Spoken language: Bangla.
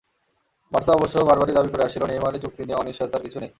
বার্সা অবশ্য বারবারই দাবি করে আসছিল, নেইমারের চুক্তি নিয়ে অনিশ্চয়তার কিছু নেই।